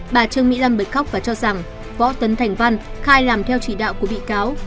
bà trương mỹ lâm bệnh khóc và cho rằng võ tấn thành văn khai làm theo chỉ đạo của bị cáo